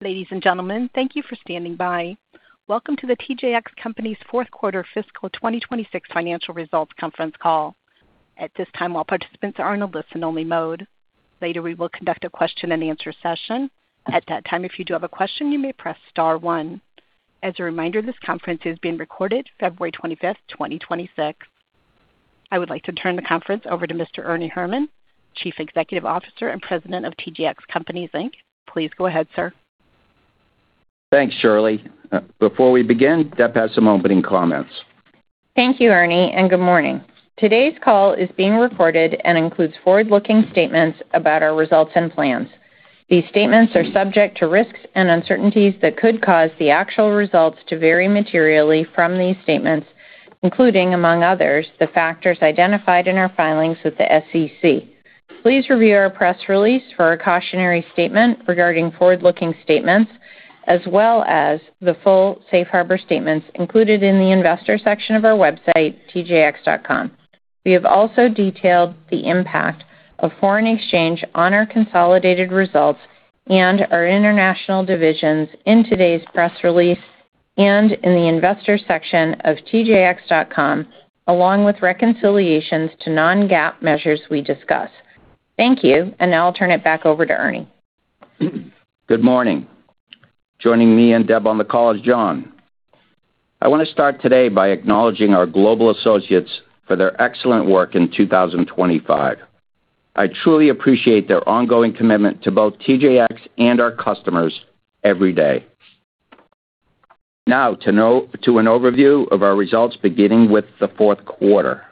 Ladies and gentlemen, thank you for standing by. Welcome to The TJX Companies' Q4 fiscal 2026 financial results conference call. At this time, all participants are in a listen-only mode. Later, we will conduct a question-and-answer session. At that time, if you do have a question, you may press star one. As a reminder, this conference is being recorded February 25, 2026. I would like to turn the conference over to Mr. Ernie Herrman, Chief Executive Officer and President of The TJX Companies, Inc. Please go ahead, sir. Thanks, Shirley. Before we begin, Deb has some opening comments. Thank you, Ernie. Good morning. Today's call is being recorded and includes forward-looking statements about our results and plans. These statements are subject to risks and uncertainties that could cause the actual results to vary materially from these statements, including, among others, the factors identified in our filings with the SEC. Please review our press release for a cautionary statement regarding forward-looking statements, as well as the full safe harbor statements included in the investor section of our website, tjx.com. We have also detailed the impact of foreign exchange on our consolidated results and our international divisions in today's press release and in the investor section of tjx.com, along with reconciliations to non-GAAP measures we discuss. Thank you. Now I'll turn it back over to Ernie. Good morning. Joining me and Deb on the call is John. I want to start today by acknowledging our global associates for their excellent work in 2025. I truly appreciate their ongoing commitment to both TJX and our customers every day. Now, to an overview of our results, beginning with the Q4.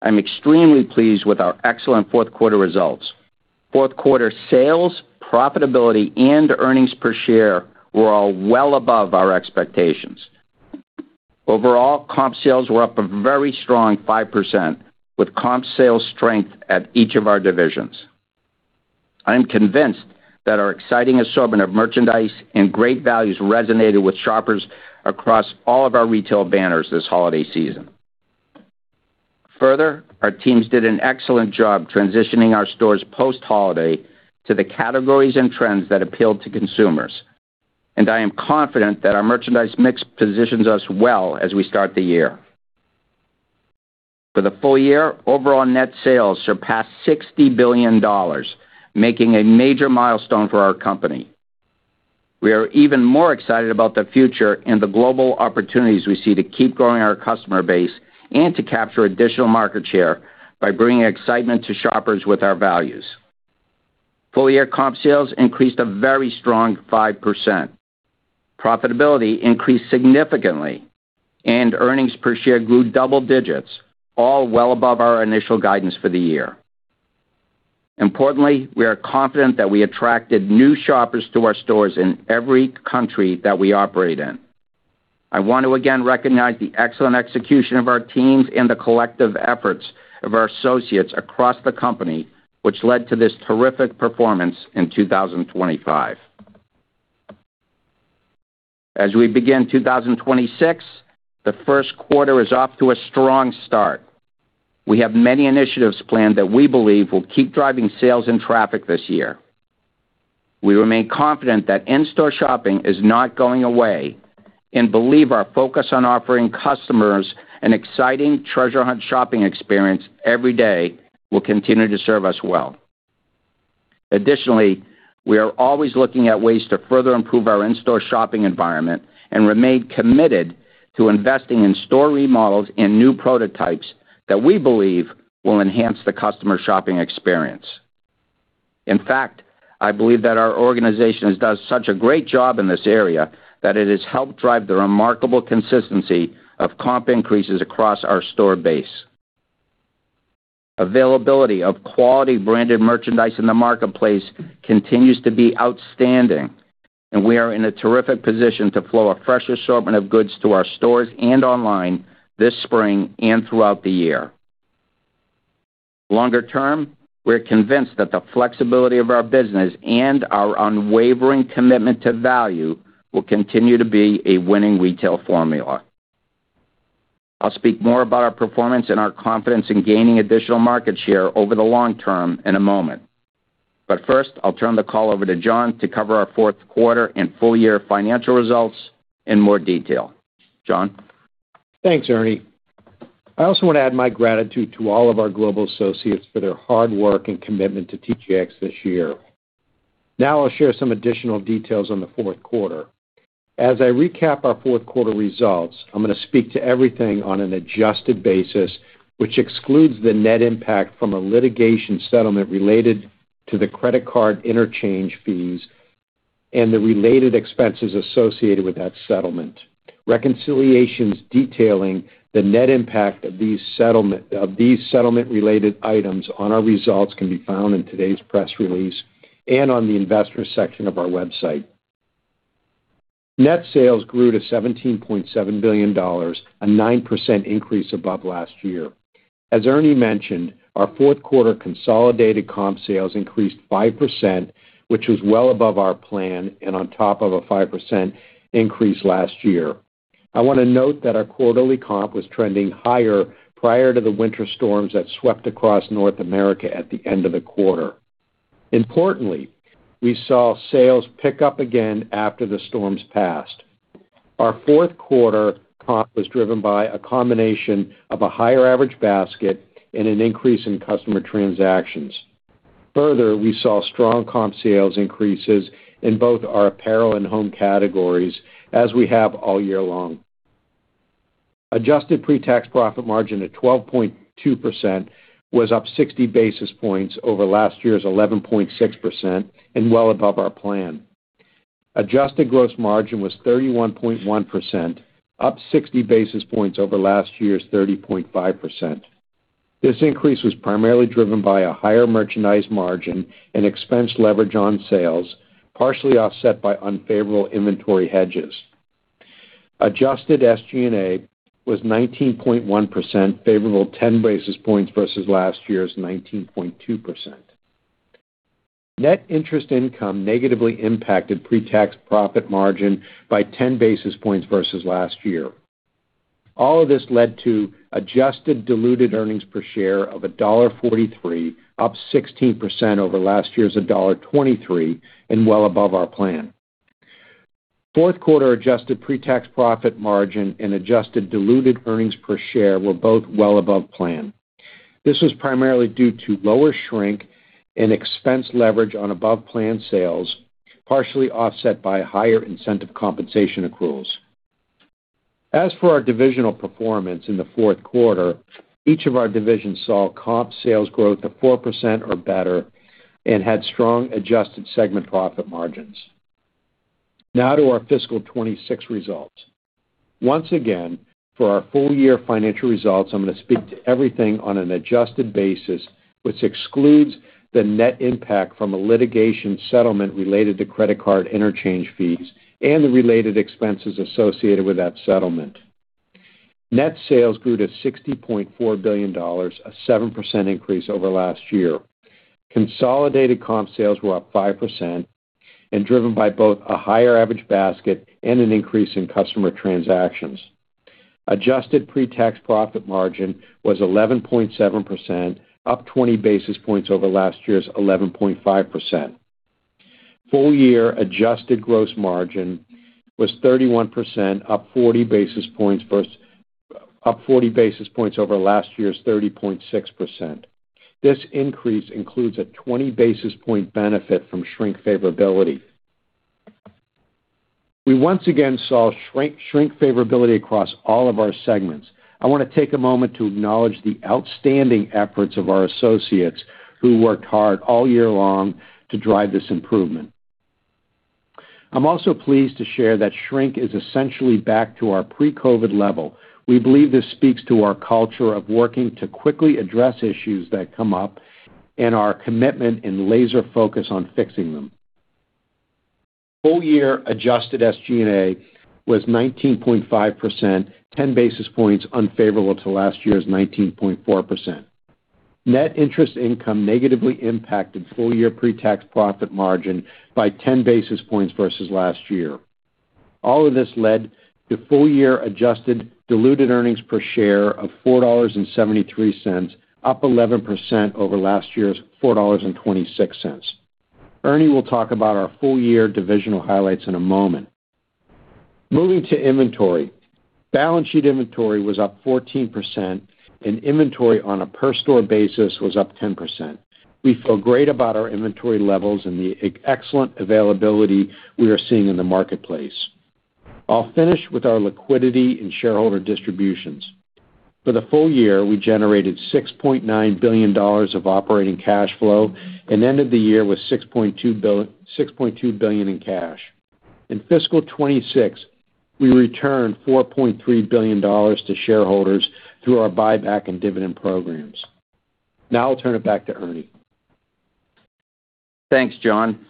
I'm extremely pleased with our excellent Q4 results. Q4 sales, profitability, and earnings per share were all well above our expectations. Overall, comp sales were up a very strong 5%, with comp sales strength at each of our divisions. I am convinced that our exciting assortment of merchandise and great values resonated with shoppers across all of our retail banners this holiday season. Further, our teams did an excellent job transitioning our stores post-holiday to the categories and trends that appealed to consumers, and I am confident that our merchandise mix positions us well as we start the year. For the full year, overall net sales surpassed $60 billion, making a major milestone for our company. We are even more excited about the future and the global opportunities we see to keep growing our customer base and to capture additional market share by bringing excitement to shoppers with our values. Full-year comp sales increased a very strong 5%. Profitability increased significantly, and earnings per share grew double digits, all well above our initial guidance for the year. Importantly, we are confident that we attracted new shoppers to our stores in every country that we operate in. I want to again recognize the excellent execution of our teams and the collective efforts of our associates across the company, which led to this terrific performance in 2025. As we begin 2026, the Q1 is off to a strong start. We have many initiatives planned that we believe will keep driving sales and traffic this year. We remain confident that in-store shopping is not going away and believe our focus on offering customers an exciting treasure hunt shopping experience every day will continue to serve us well. Additionally, we are always looking at ways to further improve our in-store shopping environment and remain committed to investing in store remodels and new prototypes that we believe will enhance the customer shopping experience. In fact, I believe that our organization has done such a great job in this area that it has helped drive the remarkable consistency of comp increases across our store base. Availability of quality branded merchandise in the marketplace continues to be outstanding, and we are in a terrific position to flow a fresh assortment of goods to our stores and online this spring and throughout the year. Longer term, we're convinced that the flexibility of our business and our unwavering commitment to value will continue to be a winning retail formula. I'll speak more about our performance and our confidence in gaining additional market share over the long term in a moment. But first, I'll turn the call over to John to cover our Q4 and full-year financial results in more detail. John? Thanks, Ernie. I also want to add my gratitude to all of our global associates for their hard work and commitment to TJX this year. I'll share some additional details on the Q4. As I recap our Q4 results, I'm gonna speak to everything on an adjusted basis, which excludes the net impact from a litigation settlement related to the credit card interchange fees and the related expenses associated with that settlement. Reconciliations detailing the net impact of these settlement-related items on our results can be found in today's press release and on the investor section of our website. Net sales grew to $17.7 billion, a 9% increase above last year. As Ernie mentioned, our Q4 consolidated comp sales increased 5%, which was well above our plan and on top of a 5% increase last year. I wanna note that our quarterly comp was trending higher prior to the winter storms that swept across North America at the end of the quarter. Importantly, we saw sales pick up again after the storms passed. Our Q4 comp was driven by a combination of a higher average basket and an increase in customer transactions. Further, we saw strong comp sales increases in both our apparel and home categories, as we have all year long. Adjusted pre-tax profit margin at 12.2% was up 60 basis points over last year's 11.6%, and well above our plan. Adjusted gross margin was 31.1%, up 60 basis points over last year's 30.5%. This increase was primarily driven by a higher merchandise margin and expense leverage on sales, partially offset by unfavorable inventory hedges. Adjusted SG&A was 19.1%, favorable 10 basis points versus last year's 19.2%. Net interest income negatively impacted pre-tax profit margin by 10 basis points versus last year. All of this led to adjusted diluted earnings per share of $1.43, up 16% over last year's $1.23, and well above our plan. Q4 adjusted pre-tax profit margin and adjusted diluted earnings per share were both well above plan. This was primarily due to lower shrink and expense leverage on above-plan sales, partially offset by higher incentive compensation accruals. As for our divisional performance in the Q4, each of our divisions saw comp sales growth of 4% or better and had strong adjusted segment profit margins. To our fiscal 26 results. Once again, for our full year financial results, I'm gonna speak to everything on an adjusted basis, which excludes the net impact from a litigation settlement related to credit card interchange fees and the related expenses associated with that settlement. Net sales grew to $60.4 billion, a 7% increase over last year. Consolidated comp sales were up 5% and driven by both a higher average basket and an increase in customer transactions. Adjusted pre-tax profit margin was 11.7%, up 20 basis points over last year's 11.5%. Full year adjusted gross margin was 31%, up 40 basis points over last year's 30.6%. This increase includes a 20 basis point benefit from shrink favorability. We once again saw shrink favorability across all of our segments. I want to take a moment to acknowledge the outstanding efforts of our associates, who worked hard all year long to drive this improvement. I'm also pleased to share that shrink is essentially back to our pre-COVID level. We believe this speaks to our culture of working to quickly address issues that come up and our commitment and laser focus on fixing them. Full year adjusted SG&A was 19.5%, 10 basis points unfavorable to last year's 19.4%. Net interest income negatively impacted full year pre-tax profit margin by 10 basis points versus last year. All of this led to full year adjusted diluted earnings per share of $4.73, up 11% over last year's $4.26. Ernie will talk about our full year divisional highlights in a moment. Moving to inventory. Balance sheet inventory was up 14%, and inventory on a per store basis was up 10%. We feel great about our inventory levels and the excellent availability we are seeing in the marketplace. I'll finish with our liquidity and shareholder distributions. For the full year, we generated $6.9 billion of operating cash flow and ended the year with $6.2 billion in cash. In fiscal 26, we returned $4.3 billion to shareholders through our buyback and dividend programs. I'll turn it back to Ernie. Thanks, John.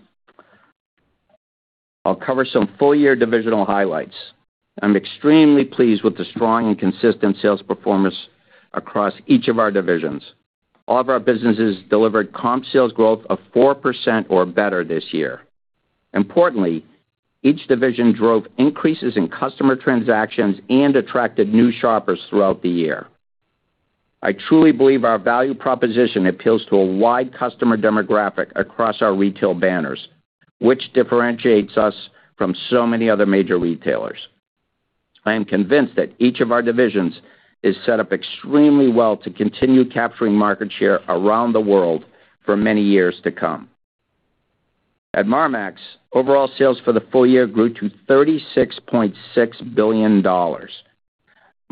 I'll cover some full year divisional highlights. I'm extremely pleased with the strong and consistent sales performance across each of our divisions. All of our businesses delivered comp sales growth of 4% or better this year. Importantly, each division drove increases in customer transactions and attracted new shoppers throughout the year. I truly believe our value proposition appeals to a wide customer demographic across our retail banners, which differentiates us from so many other major retailers. I am convinced that each of our divisions is set up extremely well to continue capturing market share around the world for many years to come. At Marmaxx, overall sales for the full year grew to $36.6 billion.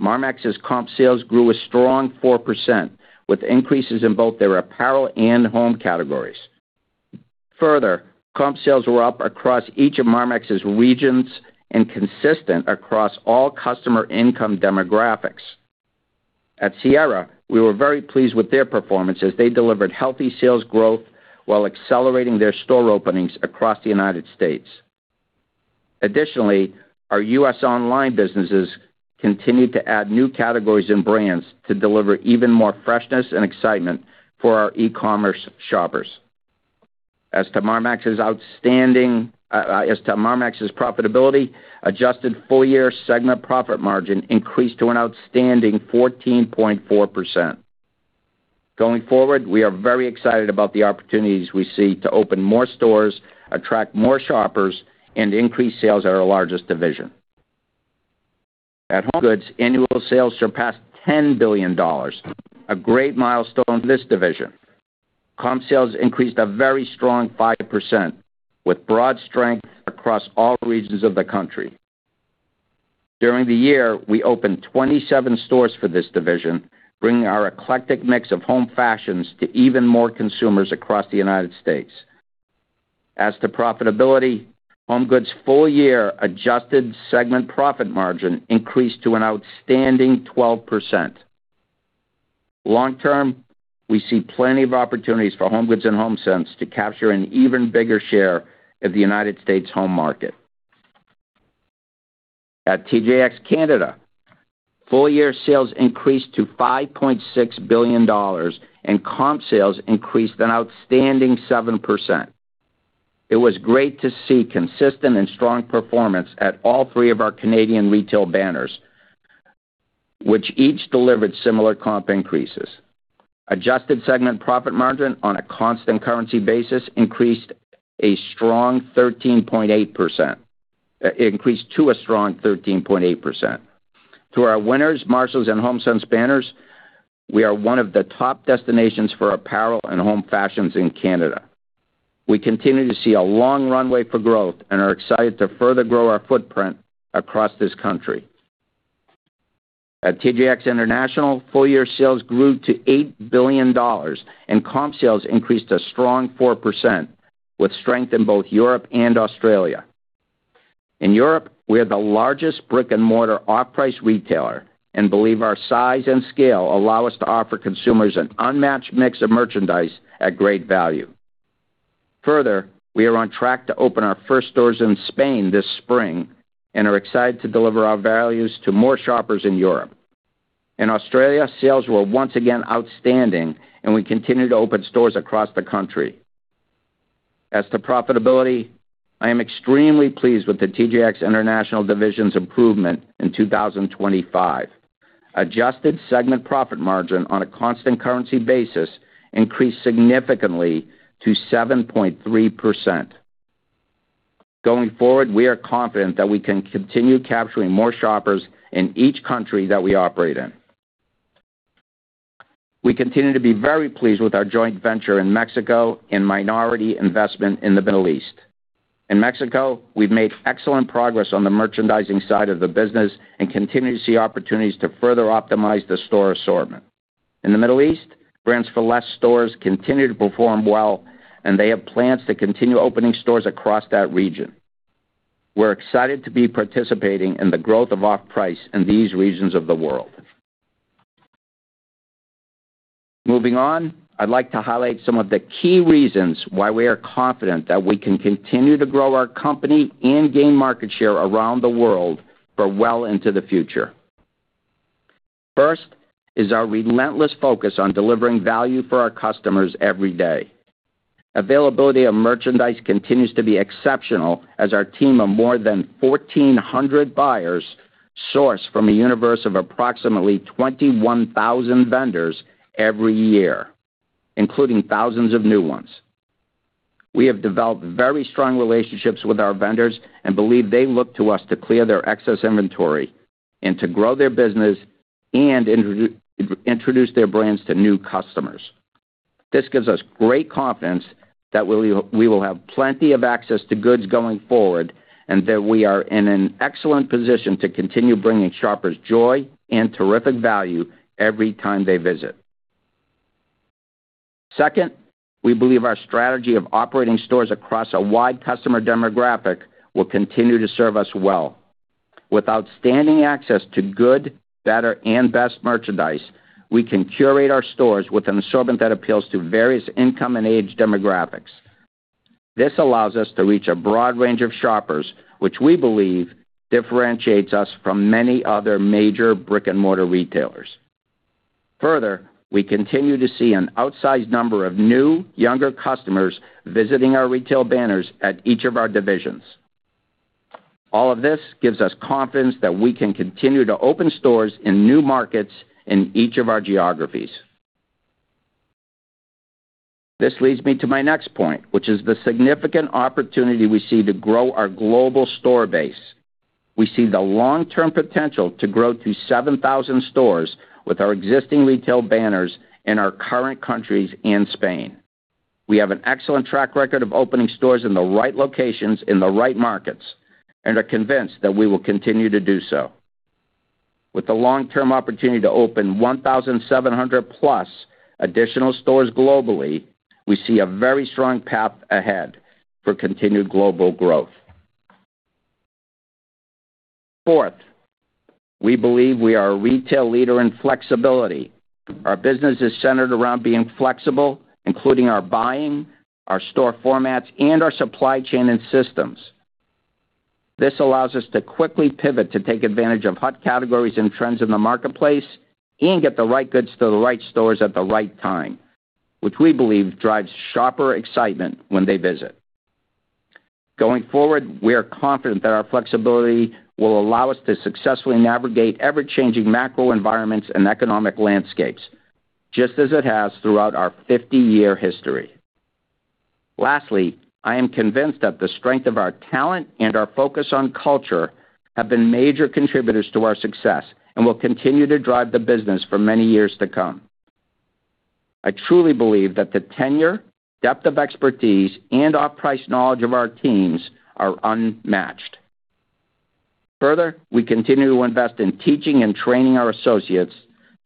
Marmaxx's comp sales grew a strong 4%, with increases in both their apparel and home categories. Further, comp sales were up across each of Marmaxx's regions and consistent across all customer income demographics. At Sierra, we were very pleased with their performance as they delivered healthy sales growth while accelerating their store openings across the United States. Additionally, our U.S. online businesses continued to add new categories and brands to deliver even more freshness and excitement for our e-commerce shoppers. As to Marmaxx's profitability, adjusted full-year segment profit margin increased to an outstanding 14.4%. Going forward, we are very excited about the opportunities we see to open more stores, attract more shoppers, and increase sales at our largest division. At HomeGoods, annual sales surpassed $10 billion, a great milestone in this division. Comp sales increased a very strong 5%, with broad strength across all regions of the country. During the year, we opened 27 stores for this division, bringing our eclectic mix of home fashions to even more consumers across the United States. As to profitability, HomeGoods' full-year adjusted segment profit margin increased to an outstanding 12%. Long term, we see plenty of opportunities for HomeGoods and HomeSense to capture an even bigger share of the United States home market. At TJX Canada, full-year sales increased to $5.6 billion, and comp sales increased an outstanding 7%. It was great to see consistent and strong performance at all three of our Canadian retail banners, which each delivered similar comp increases. Adjusted segment profit margin on a constant currency basis increased to a strong 13.8%. Through our Winners, Marshalls, and HomeSense banners, we are one of the top destinations for apparel and home fashions in Canada. We continue to see a long runway for growth and are excited to further grow our footprint across this country. At TJX International, full-year sales grew to $8 billion, and comp sales increased a strong 4%, with strength in both Europe and Australia. In Europe, we are the largest brick-and-mortar off-price retailer and believe our size and scale allow us to offer consumers an unmatched mix of merchandise at great value. Further, we are on track to open our first stores in Spain this spring and are excited to deliver our values to more shoppers in Europe. In Australia, sales were once again outstanding, and we continue to open stores across the country. As to profitability, I am extremely pleased with the TJX International Division's improvement in 2025. Adjusted segment profit margin on a constant currency basis increased significantly to 7.3%. Going forward, we are confident that we can continue capturing more shoppers in each country that we operate in. We continue to be very pleased with our joint venture in Mexico and minority investment in the Middle East. In Mexico, we've made excellent progress on the merchandising side of the business and continue to see opportunities to further optimize the store assortment. In the Middle East, Brands For Less stores continue to perform well, and they have plans to continue opening stores across that region. We're excited to be participating in the growth of off-price in these regions of the world. Moving on, I'd like to highlight some of the key reasons why we are confident that we can continue to grow our company and gain market share around the world for well into the future. First is our relentless focus on delivering value for our customers every day. Availability of merchandise continues to be exceptional, as our team of more than 1,400 buyers source from a universe of approximately 21,000 vendors every year, including thousands of new ones. We have developed very strong relationships with our vendors and believe they look to us to clear their excess inventory and to grow their business and introduce their brands to new customers. This gives us great confidence that we will have plenty of access to goods going forward, and that we are in an excellent position to continue bringing shoppers joy and terrific value every time they visit. Second, we believe our strategy of operating stores across a wide customer demographic will continue to serve us well. With outstanding access to good, better, and best merchandise, we can curate our stores with an assortment that appeals to various income and age demographics. This allows us to reach a broad range of shoppers, which we believe differentiates us from many other major brick-and-mortar retailers. We continue to see an outsized number of new, younger customers visiting our retail banners at each of our divisions. All of this gives us confidence that we can continue to open stores in new markets in each of our geographies. This leads me to my next point, which is the significant opportunity we see to grow our global store base. We see the long-term potential to grow to 7,000 stores with our existing retail banners in our current countries and Spain. We have an excellent track record of opening stores in the right locations, in the right markets, and are convinced that we will continue to do so. With the long-term opportunity to open 1,700+ additional stores globally, we see a very strong path ahead for continued global growth. Fourth, we believe we are a retail leader in flexibility. Our business is centered around being flexible, including our buying, our store formats, and our supply chain and systems. This allows us to quickly pivot to take advantage of hot categories and trends in the marketplace and get the right goods to the right stores at the right time, which we believe drives shopper excitement when they visit. Going forward, we are confident that our flexibility will allow us to successfully navigate ever-changing macro environments and economic landscapes, just as it has throughout our 50-year history. Lastly, I am convinced that the strength of our talent and our focus on culture have been major contributors to our success and will continue to drive the business for many years to come. I truly believe that the tenure, depth of expertise, and off-price knowledge of our teams are unmatched. Further, we continue to invest in teaching and training our associates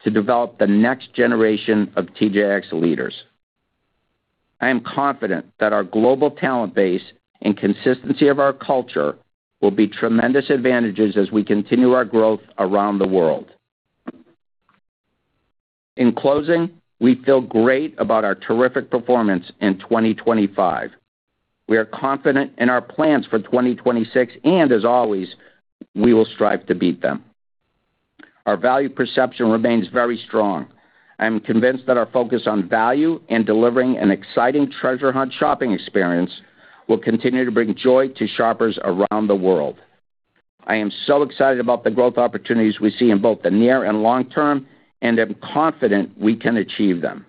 to develop the next generation of TJX leaders. I am confident that our global talent base and consistency of our culture will be tremendous advantages as we continue our growth around the world. In closing, we feel great about our terrific performance in 2025. We are confident in our plans for 2026, and as always, we will strive to beat them. Our value perception remains very strong. I am convinced that our focus on value and delivering an exciting treasure hunt shopping experience will continue to bring joy to shoppers around the world. I am so excited about the growth opportunities we see in both the near and long term, and I'm confident we can achieve them.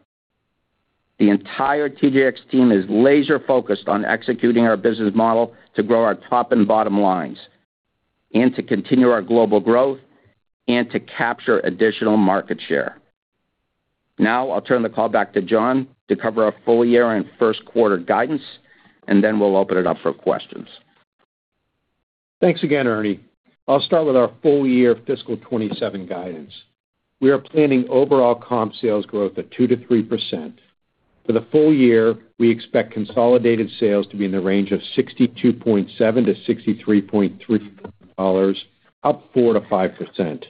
The entire TJX team is laser-focused on executing our business model to grow our top and bottom lines, and to continue our global growth, and to capture additional market share. Now I'll turn the call back to John to cover our full year and Q1 guidance, and then we'll open it up for questions. Thanks again, Ernie. I'll start with our full year fiscal 2027 guidance. We are planning overall comp sales growth of 2%-3%. For the full year, we expect consolidated sales to be in the range of $62.7 billion-$63.3 billion, up 4%-5%.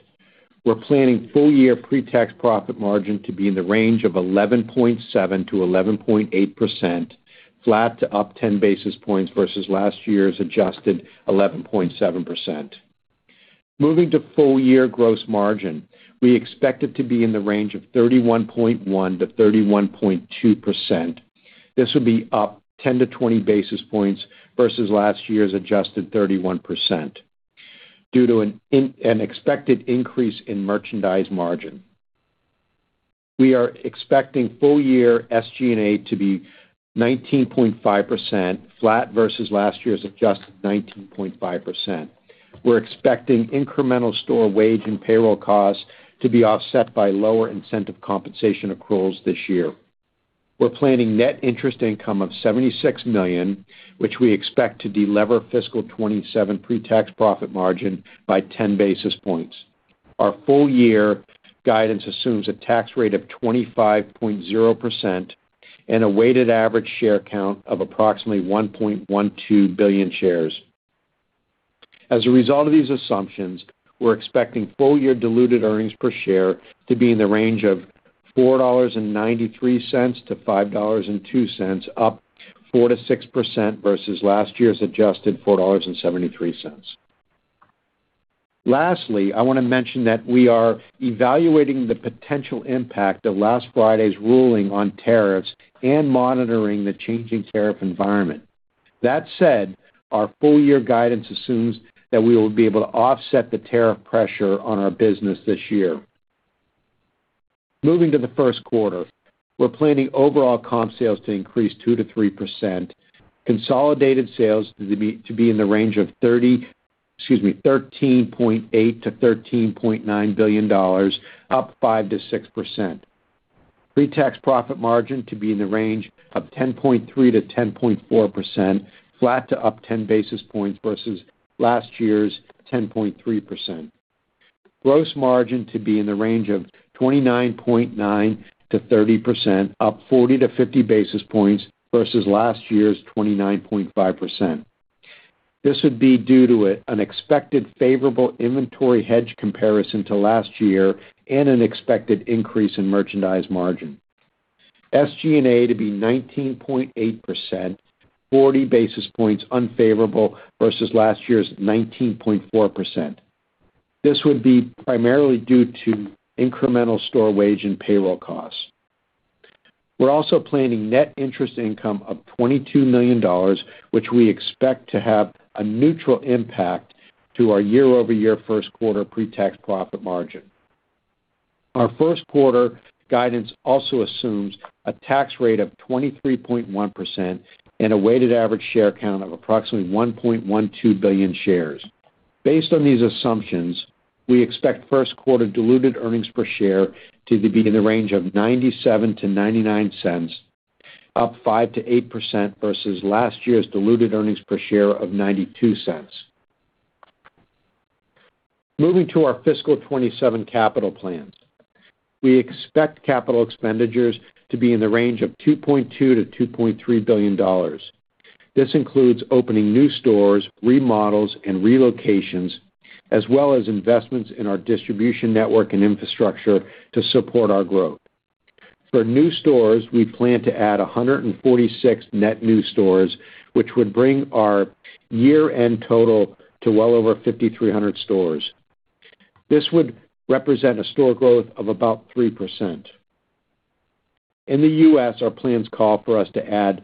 We're planning full-year pre-tax profit margin to be in the range of 11.7%-11.8%, flat to up 10 basis points versus last year's adjusted 11.7%. Moving to full year gross margin, we expect it to be in the range of 31.1%-31.2%. This will be up 10-20 basis points versus last year's adjusted 31%, due to an expected increase in merchandise margin. We are expecting full year SG&A to be 19.5%, flat versus last year's adjusted 19.5%. We're expecting incremental store wage and payroll costs to be offset by lower incentive compensation accruals this year. We're planning net interest income of $76 million, which we expect to delever fiscal 2027 pre-tax profit margin by 10 basis points. Our full year guidance assumes a tax rate of 25.0% and a weighted average share count of approximately 1.12 billion shares. As a result of these assumptions, we're expecting full-year diluted earnings per share to be in the range of $4.93-$5.02, up 4%-6% versus last year's adjusted $4.73. Lastly, I wanna mention that we are evaluating the potential impact of last Friday's ruling on tariffs and monitoring the changing tariff environment. That said, our full year guidance assumes that we will be able to offset the tariff pressure on our business this year. Moving to the Q1. We're planning overall comp sales to increase 2%-3%, consolidated sales to be in the range of $13.8 billion-$13.9 billion, up 5%-6%. Pre-tax profit margin to be in the range of 10.3%-10.4%, flat to up 10 basis points versus last year's 10.3%. Gross margin to be in the range of 29.9%-30%, up 40-50 basis points versus last year's 29.5%. This would be due to an expected favorable inventory hedge comparison to last year and an expected increase in merchandise margin. SG&A to be 19.8%, 40 basis points unfavorable versus last year's 19.4%. This would be primarily due to incremental store wage and payroll costs. We're also planning net interest income of $22 million, which we expect to have a neutral impact to our year-over-year Q1 pre-tax profit margin. Our Q1 guidance also assumes a tax rate of 23.1% and a weighted average share count of approximately 1.12 billion shares. Based on these assumptions, we expect Q1 diluted earnings per share to be in the range of $0.97-$0.99, up 5%-8% versus last year's diluted earnings per share of $0.92. Moving to our fiscal 2027 capital plans. We expect capital expenditures to be in the range of $2.2 billion-$2.3 billion. This includes opening new stores, remodels, and relocations, as well as investments in our distribution network and infrastructure to support our growth. For new stores, we plan to add 146 net new stores, which would bring our year-end total to well over 5,300 stores. This would represent a store growth of about 3%. In the U.S., our plans call for us to add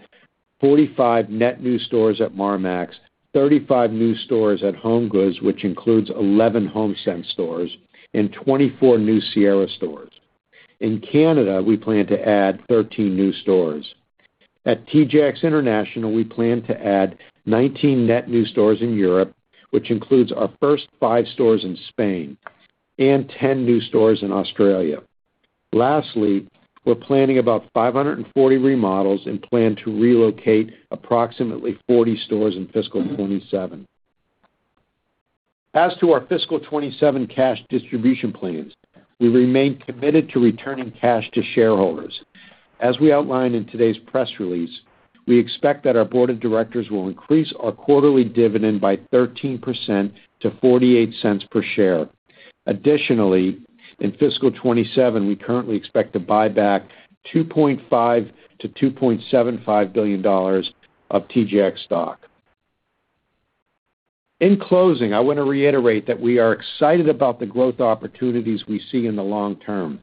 45 net new stores at Marmaxx, 35 new stores at HomeGoods, which includes 11 HomeSense stores, and 24 new Sierra stores. In Canada, we plan to add 13 new stores. At TJX International, we plan to add 19 net new stores in Europe, which includes our first 5 stores in Spain and 10 new stores in Australia. Lastly, we're planning about 540 remodels and plan to relocate approximately 40 stores in fiscal 2027. As to our fiscal 2027 cash distribution plans, we remain committed to returning cash to shareholders. As we outlined in today's press release, we expect that our board of directors will increase our quarterly dividend by 13% to $0.48 per share. Additionally, in fiscal 2027, we currently expect to buy back $2.5 billion-$2.75 billion of TJX stock. In closing, I want to reiterate that we are excited about the growth opportunities we see in the long term.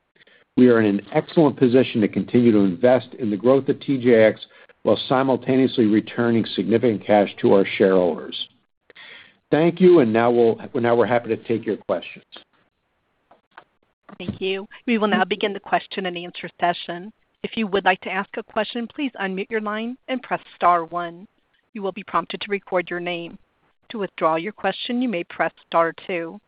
We are in an excellent position to continue to invest in the growth of TJX, while simultaneously returning significant cash to our shareholders. Thank you, and now we're happy to take your questions. Thank you. We will now begin the question and answer session. If you would like to ask a question, please unmute your line and press star one. You will be prompted to record your name. To withdraw your question, you may press star two.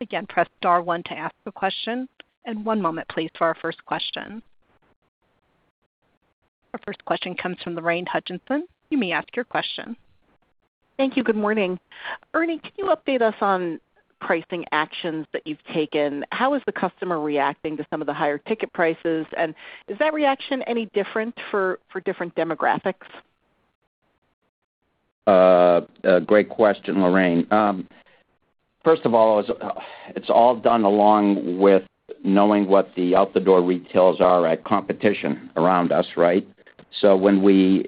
Again, press star one to ask a question, and one moment, please, for our first question. Our first question comes from Lorraine Hutchinson. You may ask your question. Thank you. Good morning. Ernie, can you update us on pricing actions that you've taken? How is the customer reacting to some of the higher ticket prices? Is that reaction any different for different demographics? A great question, Lorraine. First of all, it's all done along with knowing what the out-the-door retails are at competition around us, right? When we,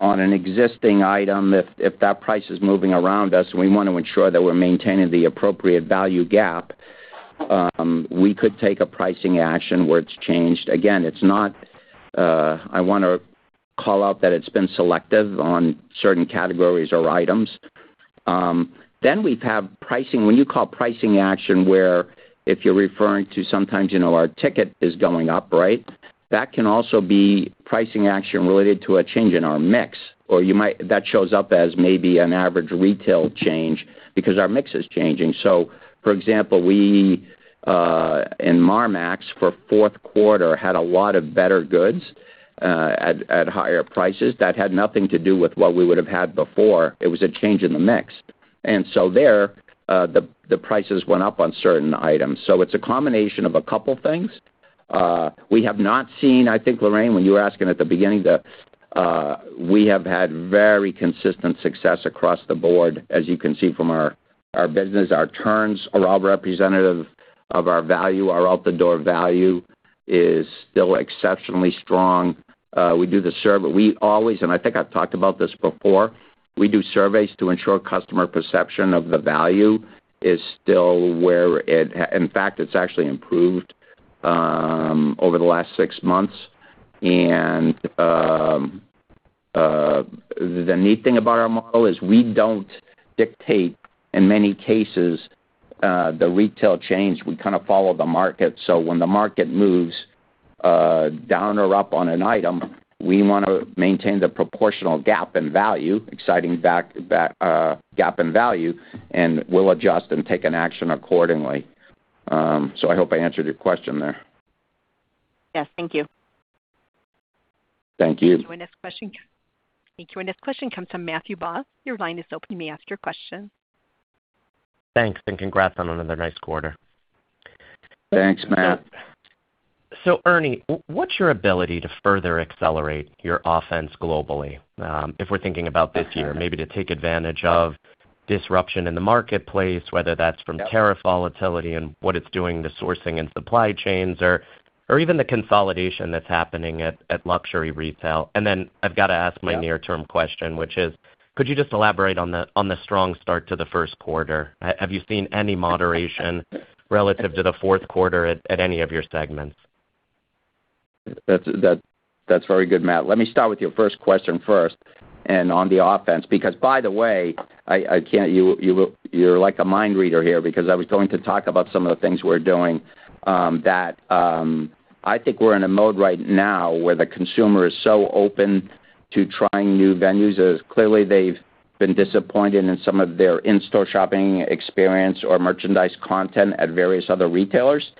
on an existing item, if that price is moving around us, we want to ensure that we're maintaining the appropriate value gap, we could take a pricing action where it's changed. It's not, I wanna call out that it's been selective on certain categories or items. We've have when you call pricing action, where if you're referring to sometimes, you know, our ticket is going up, right? That can also be pricing action related to a change in our mix, or you might that shows up as maybe an average retail change because our mix is changing. For example, we in Marmaxx, for Q4, had a lot of better goods at higher prices. That had nothing to do with what we would have had before. It was a change in the mix, and so there, the prices went up on certain items. It's a combination of a couple things. We have not seen, I think, Lorraine, when you were asking at the beginning. We have had very consistent success across the board, as you can see from our business. Our turns are all representative of our value. Our out-the-door value is still exceptionally strong. We do the survey. We always, and I think I've talked about this before, we do surveys to ensure customer perception of the value is still where in fact, it's actually improved over the last six months. The neat thing about our model is we don't dictate, in many cases, the retail change. We kind of follow the market. When the market moves, down or up on an item, we wanna maintain the proportional gap in value, exciting gap in value, and we'll adjust and take an action accordingly. I hope I answered your question there. Yes. Thank you. Thank you. Thank you, our next question comes from Matthew Boss. Your line is open. You may ask your question. Thanks, congrats on another nice quarter. Thanks, Matt. Ernie, what's your ability to further accelerate your offense globally? If we're thinking about this year, maybe to take advantage of disruption in the marketplace, whether that's from tariff volatility and what it's doing to sourcing and supply chains or even the consolidation that's happening at luxury retail. I've got to ask my near-term question, which is: Could you just elaborate on the strong start to the Q1? Have you seen any moderation relative to the Q4 at any of your segments? That's very good, Matt. Let me start with your first question first, on the offense, because, by the way, I can't, you're like a mind reader here because I was going to talk about some of the things we're doing that I think we're in a mode right now where the consumer is so open to trying new venues, as clearly they've been disappointed in some of their in-store shopping experience or merchandise content at various other retailers.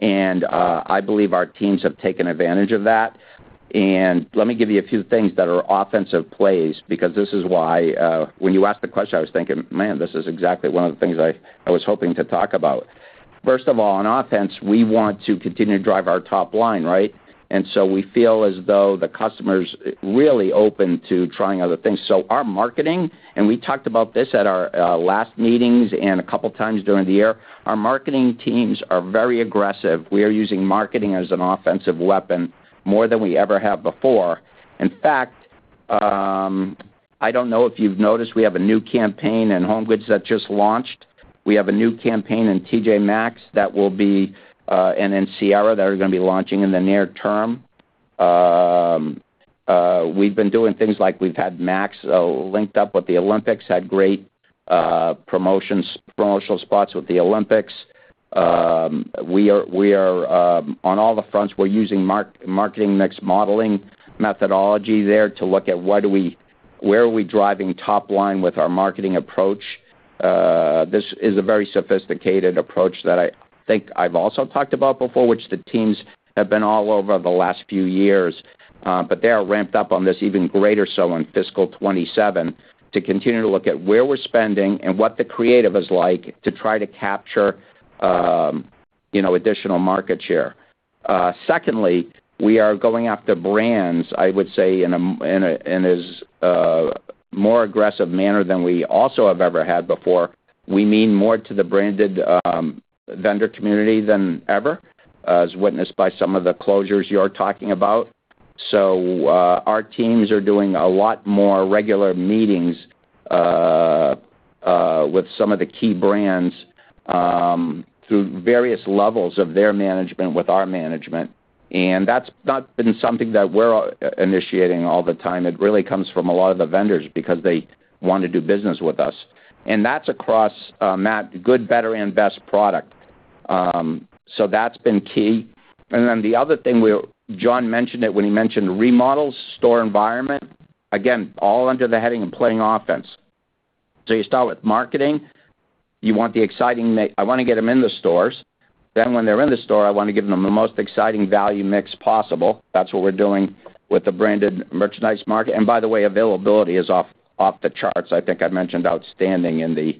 I believe our teams have taken advantage of that. Let me give you a few things that are offensive plays, because this is why when you asked the question, I was thinking, Man, this is exactly one of the things I was hoping to talk about. First of all, on offense, we want to continue to drive our top line, right? We feel as though the customer's really open to trying other things. Our marketing, and we talked about this at our last meetings and a couple times during the year, our marketing teams are very aggressive. We are using marketing as an offensive weapon more than we ever have before. In fact, I don't know if you've noticed, we have a new campaign in HomeGoods that just launched. We have a new campaign in T.J.Maxx that will be, and in Sierra, that are gonna be launching in the near term. We've been doing things like we've had Maxx linked up with the Olympics, had great promotions, promotional spots with the Olympics. We are on all the fronts, we're using marketing mix modeling methodology there to look at where are we driving top line with our marketing approach. This is a very sophisticated approach that I think I've also talked about before, which the teams have been all over the last few years. But they are ramped up on this even greater so in fiscal 27, to continue to look at where we're spending and what the creative is like to try to capture, you know, additional market share. Secondly, we are going after brands, I would say, in a in a, in this, more aggressive manner than we also have ever had before. We mean more to the branded vendor community than ever, as witnessed by some of the closures you're talking about. Our teams are doing a lot more regular meetings with some of the key brands through various levels of their management, with our management. That's not been something that we're initiating all the time. It really comes from a lot of the vendors because they want to do business with us. That's across Matt, good, better, and best product. That's been key. The other thing John mentioned it when he mentioned remodels, store environment. Again, all under the heading and playing offense. You start with marketing. You want the exciting I wanna get them in the stores. When they're in the store, I wanna give them the most exciting value mix possible. That's what we're doing with the branded merchandise market. By the way, availability is off the charts. I think I mentioned outstanding in the,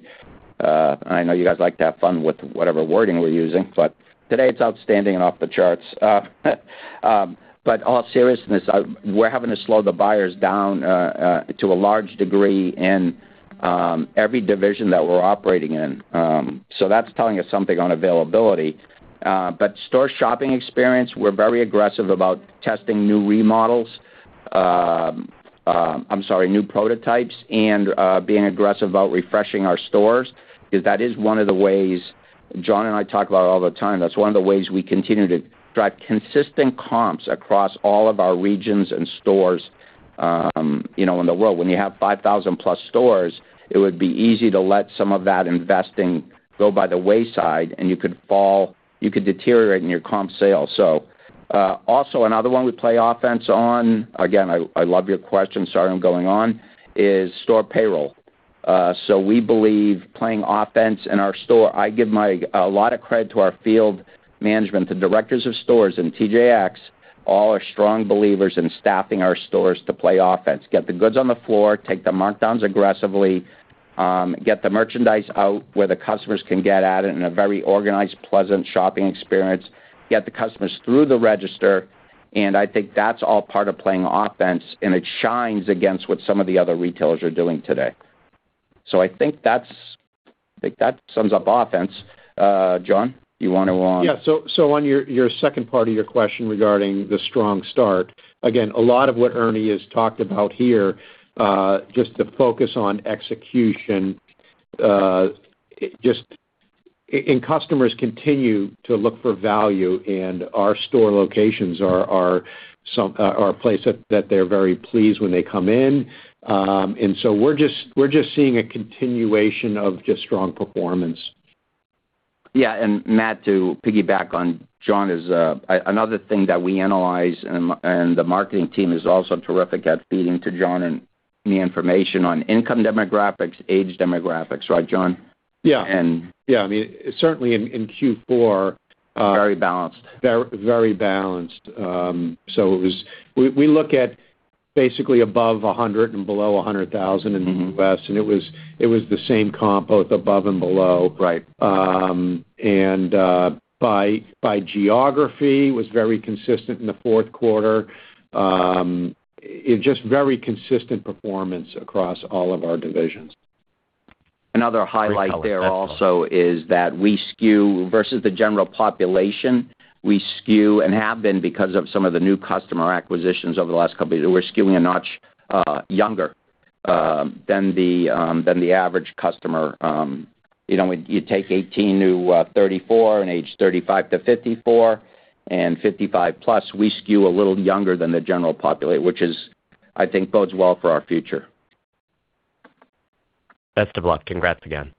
and I know you guys like to have fun with whatever wording we're using, but today it's outstanding and off the charts. In all seriousness, we're having to slow the buyers down to a large degree in every division that we're operating in. That's telling us something on availability. Store shopping experience, we're very aggressive about testing new remodels. I'm sorry, new prototypes, and being aggressive about refreshing our stores, because that is one of the ways John and I talk about it all the time. That's one of the ways we continue to drive consistent comps across all of our regions and stores, you know, in the world. When you have 5,000+ stores, it would be easy to let some of that investing go by the wayside, and you could fall, deteriorate in your comp sales. Also another one we play offense on, again, I love your question, sorry, I'm going on, is store payroll. We believe playing offense in our store. I give a lot of credit to our field management. The directors of stores in TJX all are strong believers in staffing our stores to play offense. Get the goods on the floor, take the markdowns aggressively, get the merchandise out where the customers can get at it in a very organized, pleasant shopping experience. Get the customers through the register, and I think that's all part of playing offense, and it shines against what some of the other retailers are doing today. I think that's, I think that sums up offense. John, you want to on? On your second part of your question regarding the strong start, again, a lot of what Ernie has talked about here, just the focus on execution. Customers continue to look for value, and our store locations are some, are a place that they're very pleased when they come in. We're just seeing a continuation of strong performance. Yeah, Matt, to piggyback on John, is another thing that we analyze and the marketing team is also terrific at feeding to John and me, information on income demographics, age demographics. Right, John? Yeah. And- Yeah, I mean, certainly in Q4. Very balanced. Very, very balanced. We look at basically above 100 and below 100,000. Mm-hmm... U.S., and it was the same comp, both above and below. Right. By geography, was very consistent in the Q4. It just very consistent performance across all of our divisions. Another highlight there also is that we skew, versus the general population, we skew and have been, because of some of the new customer acquisitions over the last couple of years, we're skewing a notch younger than the average customer. You know, when you take 18 to 34, and age 35 to 54, and 55 plus, we skew a little younger than the general population, which is, I think, bodes well for our future. Best of luck. Congrats again.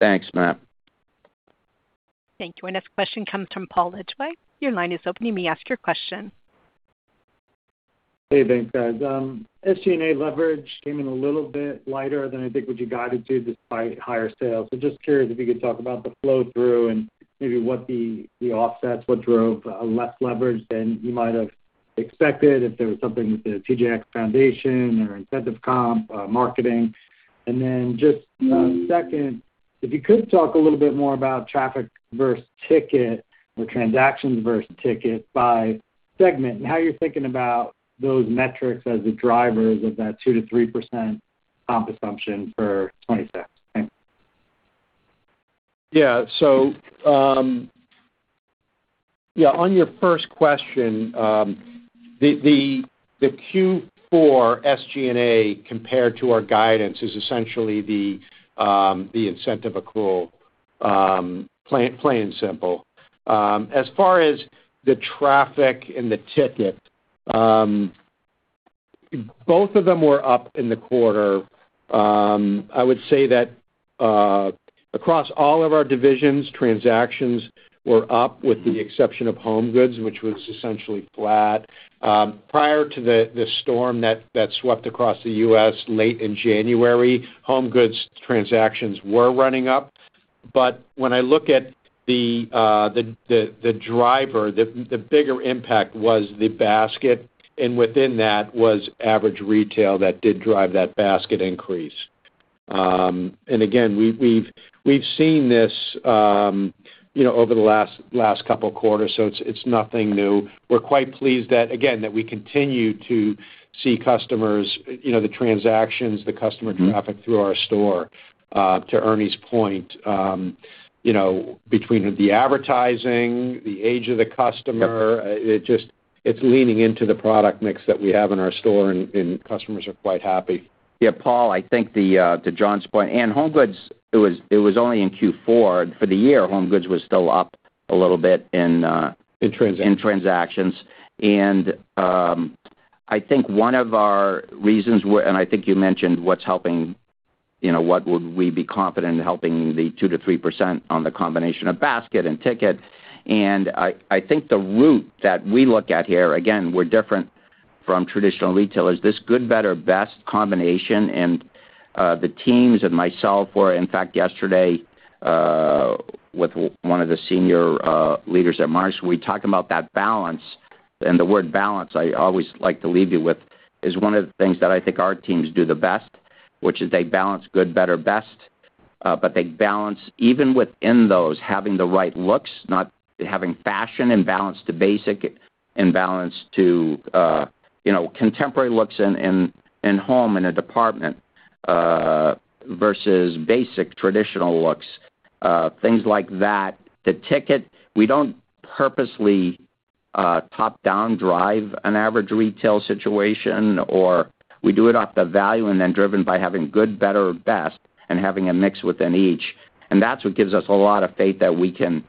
Thanks, Matt. Thank you. Our next question comes from Paul Lejuez. Your line is open. You may ask your question. Hey, thanks, guys. SG&A leverage came in a little bit lighter than I think what you guided to, despite higher sales. Just curious if you could talk about the flow-through and maybe what the offsets, what drove less leverage than you might have expected, if there was something with The TJX Foundation or incentive comp, marketing. Just second, if you could talk a little bit more about traffic versus ticket, or transactions versus ticket by segment, and how you're thinking about those metrics as the drivers of that 2%-3% comp assumption for 2027. Thanks. Yeah, on your first question, the Q4 SG&A, compared to our guidance, is essentially the incentive accrual, plain and simple. As far as the traffic and the ticket, both of them were up in the quarter. I would say that across all of our divisions, transactions were up, with the exception of HomeGoods, which was essentially flat. Prior to the storm that swept across the U.S. late in January, HomeGoods transactions were running up. When I look at the driver, the bigger impact was the basket, and within that was average retail that did drive that basket increase. Again, we've seen this, you know, over the last couple quarters, so it's nothing new. We're quite pleased that, again, that we continue to see customers, you know, the transactions... Mm-hmm... Traffic through our store. To Ernie's point, you know, between the advertising, the age of the customer- Yep it just, it's leaning into the product mix that we have in our store, and customers are quite happy. Yeah, Paul, I think the to John's point, and HomeGoods, it was only in Q4. For the year, HomeGoods was still up a little bit in. In transactions.... In transactions. I think one of our reasons and I think you mentioned what's helping, you know, what would we be confident in helping the 2%-3% on the combination of basket and ticket. I think the route that we look at here, again, we're different from traditional retailers. This good, better, best combination, the teams and myself were, in fact, yesterday, with one of the senior leaders at Marsh, we talked about that balance. The word balance, I always like to leave you with, is one of the things that I think our teams do the best, which is they balance good, better, best. They balance even within those, having the right looks, not having fashion and balance to basic and balance to, you know, contemporary looks in home, in a department, versus basic traditional looks, things like that. The ticket, we don't purposely, top down, drive an average retail situation, or we do it off the value and then driven by having good, better, or best and having a mix within each. That's what gives us a lot of faith that we can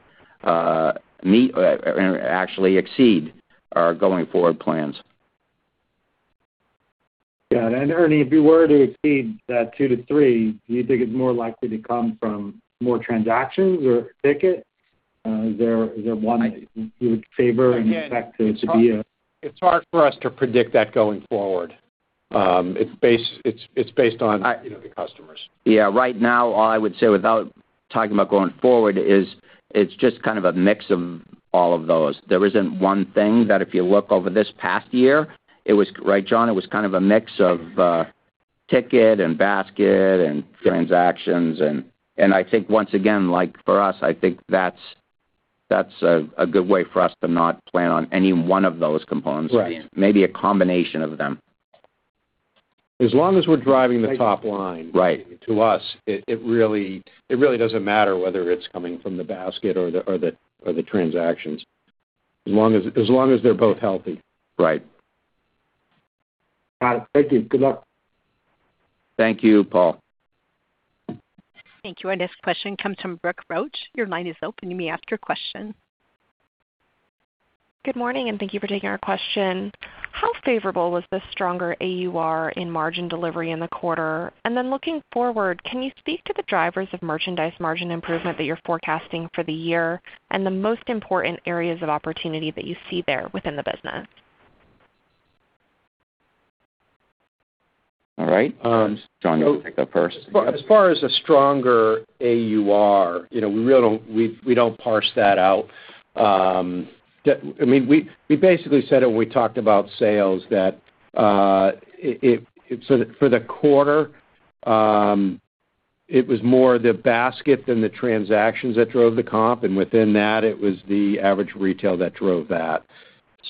meet or actually exceed our going forward plans. Yeah, Ernie, if you were to exceed that 2%-3%, do you think it's more likely to come from more transactions or ticket? Is there one you would favor and expect it to be? It's hard for us to predict that going forward. It's based on, you know, the customers. Yeah. Right now, all I would say, without talking about going forward, is it's just kind of a mix of all of those. There isn't one thing that, if you look over this past year, it was. Right, John? It was kind of a mix of ticket and basket and transactions. Yep. I think once again, like for us, I think that's a good way for us to not plan on any one of those components. Right... Maybe a combination of them. As long as we're driving the top line- Right... To us, it really doesn't matter whether it's coming from the basket or the transactions, as long as they're both healthy. Right. Got it. Thank you. Good luck. Thank you, Paul. Thank you. Our next question comes from Brooke Roach. Your line is open. You may ask your question. Good morning. Thank you for taking our question. How favorable was the stronger AUR in margin delivery in the quarter? Looking forward, can you speak to the drivers of merchandise margin improvement that you're forecasting for the year, and the most important areas of opportunity that you see there within the business? All right. Um. John, you can pick up first. As far as a stronger AUR, you know, we really don't parse that out. I mean, we basically said it when we talked about sales that it so for the quarter, it was more the basket than the transactions that drove the comp, and within that, it was the average retail that drove that.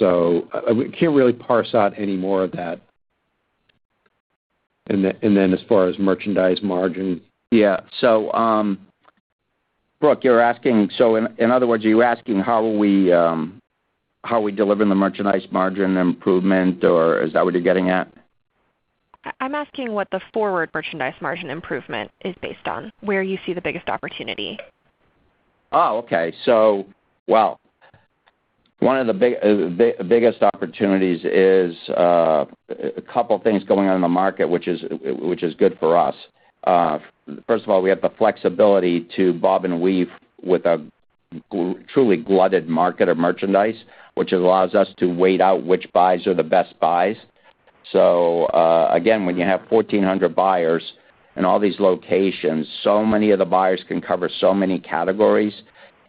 We can't really parse out any more of that. Then as far as merchandise margin. Yeah. Brooke, in other words, are you asking how are we delivering the merchandise margin improvement, or is that what you're getting at? I'm asking what the forward merchandise margin improvement is based on, where you see the biggest opportunity. Oh, okay. Well, one of the biggest opportunities is a couple of things going on in the market, which is good for us. First of all, we have the flexibility to bob and weave with a truly glutted market of merchandise, which allows us to wait out which buys are the best buys. Again, when you have 1,400 buyers in all these locations, so many of the buyers can cover so many categories,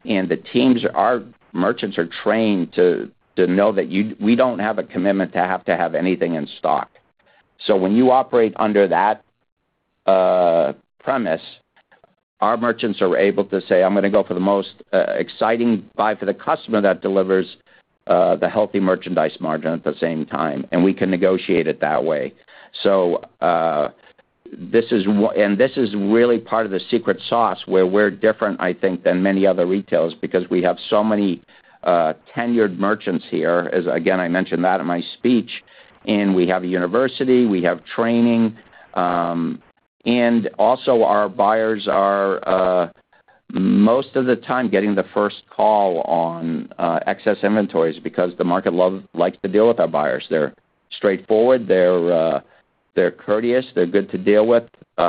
and the teams, our merchants are trained to know that we don't have a commitment to have to have anything in stock. When you operate under that premise, our merchants are able to say: I'm gonna go for the most exciting buy for the customer that delivers the healthy merchandise margin at the same time. We can negotiate it that way. This is really part of the secret sauce, where we're different, I think, than many other retailers, because we have so many tenured merchants here. Again, I mentioned that in my speech. We have a university, we have training. Also our buyers are most of the time getting the first call on excess inventories because the market likes to deal with our buyers. They're straightforward, they're courteous, they're good to deal with. Pay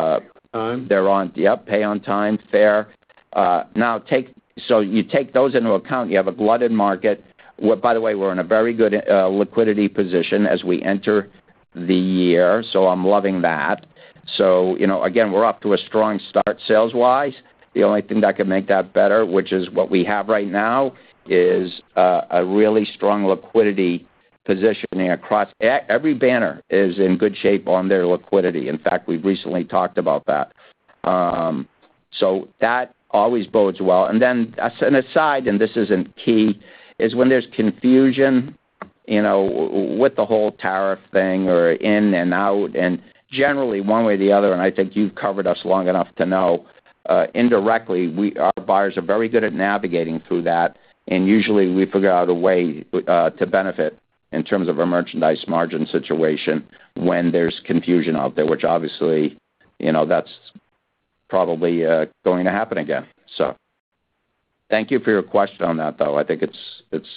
on time. Yep, pay on time, fair. Now you take those into account, you have a blooded market. By the way, we're in a very good liquidity position as we enter the year, I'm loving that. You know, again, we're off to a strong start, sales-wise. The only thing that could make that better, which is what we have right now, is a really strong liquidity positioning. Every banner is in good shape on their liquidity. In fact, we've recently talked about that. That always bodes well. As an aside, this isn't key, is when there's confusion, you know, with the whole tariff thing or in and out, generally, one way or the other, I think you've covered us long enough to know, indirectly, our buyers are very good at navigating through that, usually, we figure out a way to benefit in terms of our merchandise margin situation when there's confusion out there, which obviously, you know, that's probably going to happen again. Thank you for your question on that, though. I think it's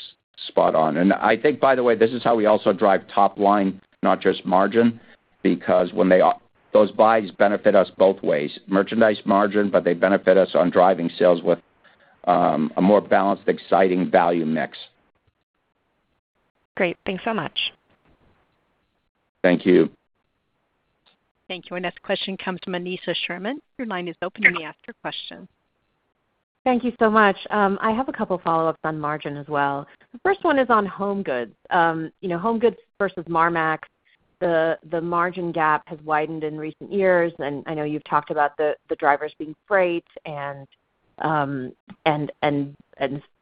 spot on. I think, by the way, this is how we also drive top line, not just margin, because when those buys benefit us both ways, merchandise margin, but they benefit us on driving sales with a more balanced, exciting value mix. Great. Thanks so much. Thank you. Thank you. Our next question comes from Aneesha Sherman. Your line is open to ask your question. Thank you so much. I have a couple follow-ups on margin as well. The first one is on HomeGoods. You know, HomeGoods versus Marmaxx, the margin gap has widened in recent years, and I know you've talked about the drivers being freight and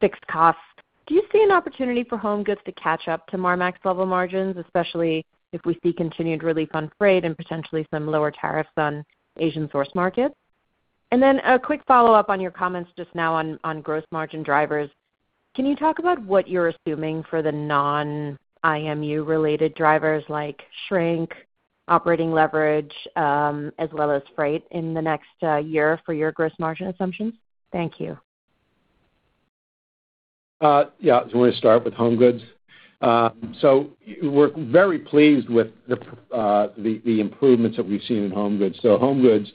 fixed costs. Do you see an opportunity for HomeGoods to catch up to Marmaxx level margins, especially if we see continued relief on freight and potentially some lower tariffs on Asian source markets? A quick follow-up on your comments just now on gross margin drivers. Can you talk about what you're assuming for the non-IMU related drivers like shrink, operating leverage, as well as freight in the next year for your gross margin assumptions? Thank you. Yeah. Do you wanna start with HomeGoods? We're very pleased with the improvements that we've seen in HomeGoods. HomeGoods,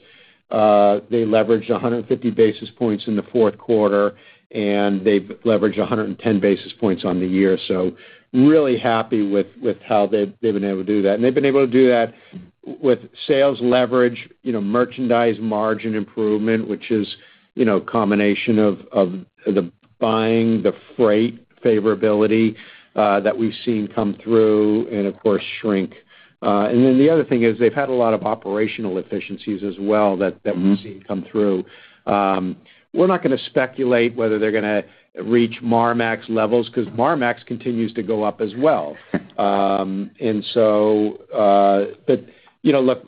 they leveraged 150 basis points in the Q4, and they've leveraged 110 basis points on the year. Really happy with how they've been able to do that. They've been able to do that with sales leverage, you know, merchandise margin improvement, which is, you know, a combination of the buying, the freight favorability, that we've seen come through, and of course, shrink. The other thing is, they've had a lot of operational efficiencies as well. Mm-hmm... We've seen come through. We're not gonna speculate whether they're gonna reach Marmaxx levels, 'cause Marmaxx continues to go up as well. But, you know, look,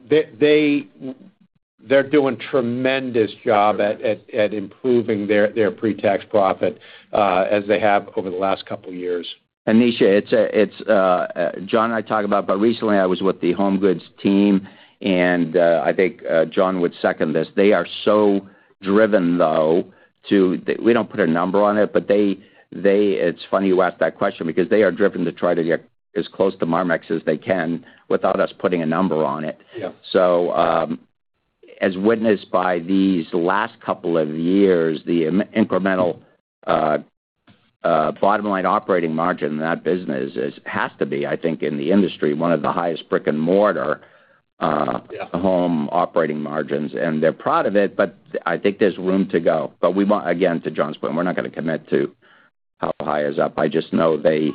they're doing tremendous job at improving their pre-tax profit, as they have over the last couple of years. Anisha, it's John and I talked about. Recently I was with the HomeGoods team. I think John would second this: they are so driven, though. We don't put a number on it, but they, it's funny you ask that question because they are driven to try to get as close to Marmaxx as they can without us putting a number on it. Yeah. As witnessed by these last couple of years, the incremental, bottom line operating margin in that business is, has to be, I think, in the industry, one of the highest brick-and-mortar. Yeah... Home operating margins. They're proud of it, but I think there's room to go. We want, again, to John's point, we're not gonna commit to how high is up. I just know they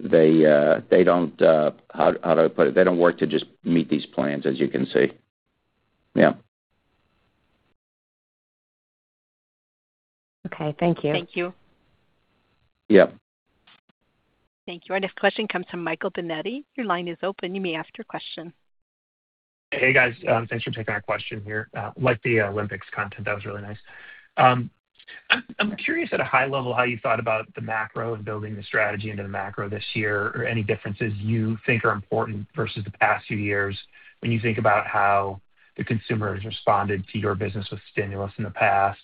don't, how do I put it? They don't work to just meet these plans, as you can see. Yeah. Okay, thank you. Thank you. Yep. Thank you. Our next question comes from Michael Binetti. Your line is open. You may ask your question. Hey, guys, thanks for taking our question here. Like the Olympics content. That was really nice. I'm curious, at a high level, how you thought about the macro and building the strategy into the macro this year, or any differences you think are important versus the past few years, when you think about how the consumer has responded to your business with stimulus in the past?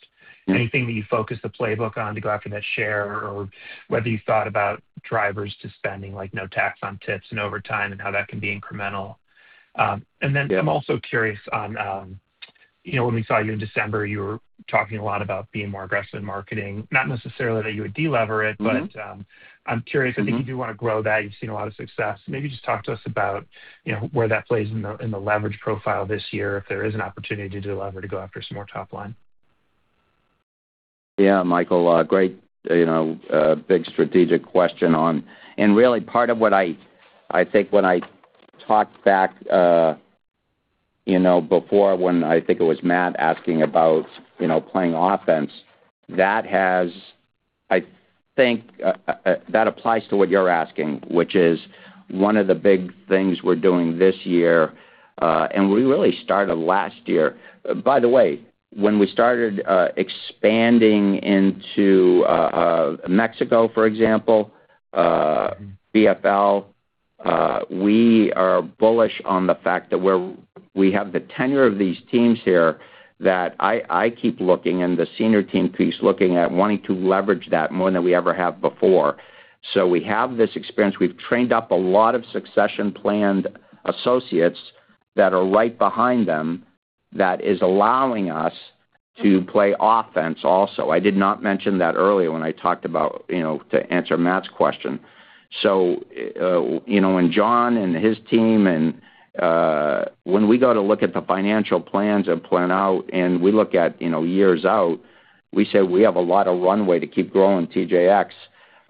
Mm-hmm. Anything that you focus the playbook on to go after that share or whether you thought about drivers to spending, like no tax on tips and overtime, and how that can be incremental? Yeah... I'm also curious on, you know, when we saw you in December, you were talking a lot about being more aggressive in marketing. Not necessarily that you would delever. Mm-hmm I'm curious, I think you do wanna grow that. You've seen a lot of success. Maybe just talk to us about, you know, where that plays in the, in the leverage profile this year, if there is an opportunity to delever to go after some more top line. Yeah, Michael, great, you know, big strategic question on. Really part of what I think when I talked back, you know, before, when I think it was Matthew asking about, you know, playing offense, that applies to what you're asking, which is one of the big things we're doing this year, and we really started last year. By the way, when we started expanding into Mexico, for example, BFL, we are bullish on the fact that we have the tenure of these teams here that I keep looking, and the senior team piece looking at wanting to leverage that more than we ever have before. We have this experience. We've trained up a lot of succession planned associates that are right behind them, that is allowing us to play offense also. I did not mention that earlier when I talked about, you know, to answer Matt's question. You know, when John and his team and when we go to look at the financial plans and plan out, and we look at, you know, years out, we say we have a lot of runway to keep growing TJX.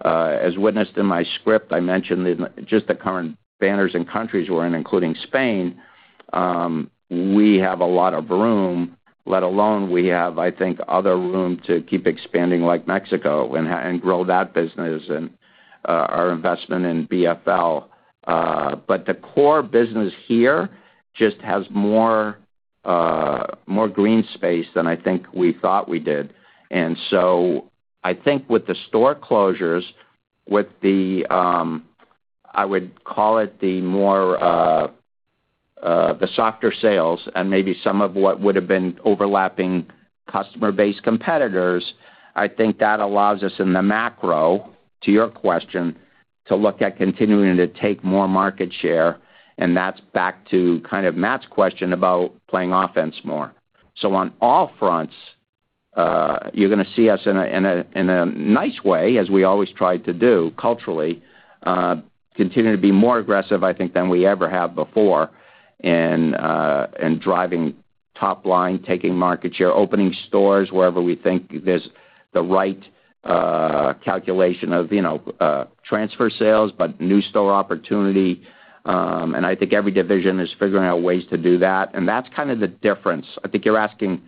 As witnessed in my script, I mentioned the, just the current banners and countries we're in, including Spain, we have a lot of room, let alone we have, I think, other room to keep expanding, like Mexico, and grow that business and our investment in BFL. The core business here just has more green space than I think we thought we did. I think with the store closures, with the, I would call it the more, the softer sales and maybe some of what would have been overlapping customer-based competitors, I think that allows us in the macro, to your question, to look at continuing to take more market share, and that's back to kind of Matt's question about playing offense more. On all fronts, you're gonna see us in a, in a, in a nice way, as we always try to do culturally, continue to be more aggressive, I think, than we ever have before in driving top line, taking market share, opening stores wherever we think there's the right calculation of, you know, transfer sales, but new store opportunity. I think every division is figuring out ways to do that, and that's kind of the difference. I think you're asking,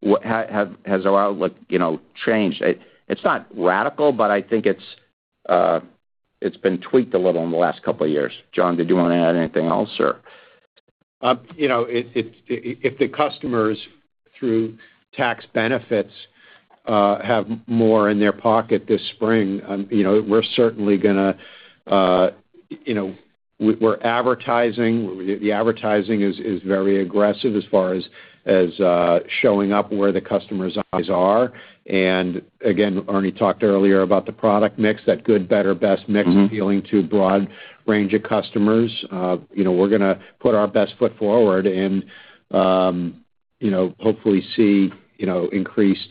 what has our outlook, you know, changed? It's not radical, but I think it's been tweaked a little in the last couple of years. John, did you wanna add anything else, sir? you know, if the customers, through tax benefits, have more in their pocket this spring, you know, we're certainly gonna, you know, we're advertising. The advertising is very aggressive as far as showing up where the customer's eyes are. Again, Ernie talked earlier about the product mix, that good, better, best mix. Mm-hmm... Appealing to a broad range of customers. you know, we're gonna put our best foot forward and, you know, hopefully see, you know, increased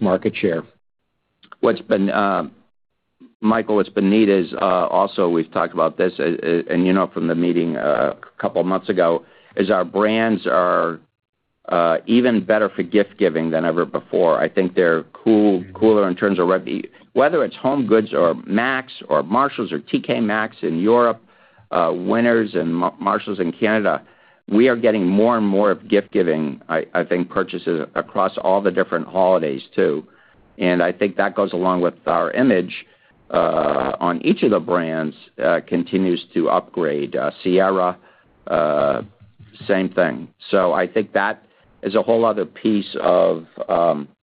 market share. What's been, Michael, what's been neat is also, we've talked about this, and you know from the meeting a couple of months ago, is our brands are even better for gift-giving than ever before. I think they're cool, cooler in terms of whether it's HomeGoods or Max or Marshalls or TK Maxx in Europe, Winners and Marshalls in Canada, we are getting more and more of gift-giving, I think, purchases across all the different holidays, too. I think that goes along with our image on each of the brands continues to upgrade. Sierra, same thing. I think that is a whole other piece of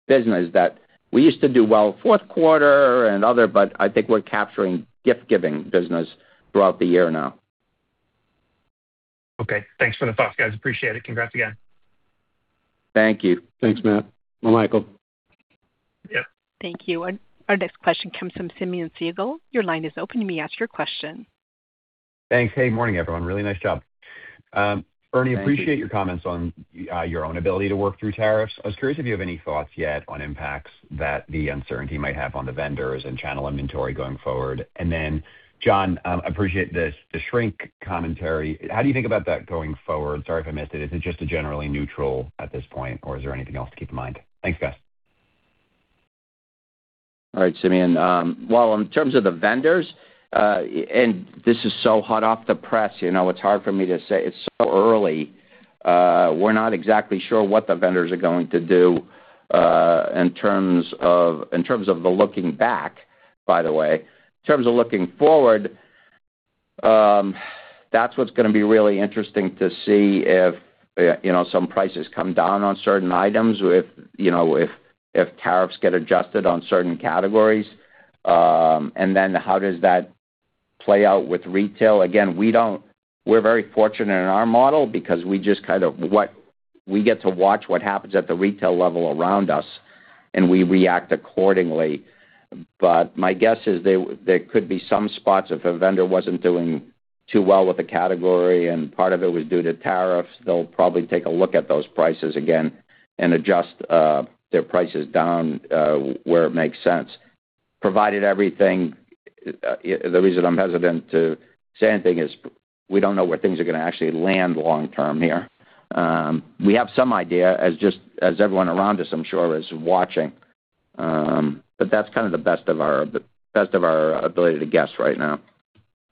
business that we used to do well, Q4 and other, but I think we're capturing gift-giving business throughout the year now. Okay. Thanks for the thoughts, guys. Appreciate it. Congrats again. Thank you. Thanks, Matt. Well, Michael. Yeah. Thank you. Our next question comes from Simeon Siegel. Your line is open. You may ask your question. Thanks. Hey, morning, everyone. Really nice job. Thank you. appreciate your comments on your own ability to work through tariffs. I was curious if you have any thoughts yet on impacts that the uncertainty might have on the vendors and channel inventory going forward. John, appreciate this, the shrink commentary. How do you think about that going forward? Sorry if I missed it. Is it just a generally neutral at this point, or is there anything else to keep in mind? Thanks, guys. All right, Simeon. Well, in terms of the vendors, this is so hot off the press, you know, it's hard for me to say. It's so early. We're not exactly sure what the vendors are going to do in terms of the looking back, by the way. In terms of looking forward, that's what's gonna be really interesting to see if, you know, some prices come down on certain items, if, you know, if tariffs get adjusted on certain categories. How does that play out with retail? Again, we're very fortunate in our model because we just kind of we get to watch what happens at the retail level around us, and we react accordingly. My guess is there could be some spots if a vendor wasn't doing too well with the category and part of it was due to tariffs, they'll probably take a look at those prices again and adjust their prices down where it makes sense. Provided everything, the reason I'm hesitant to say anything is we don't know where things are gonna actually land long term here. We have some idea, as just, as everyone around us, I'm sure, is watching. That's kind of the best of our ability to guess right now.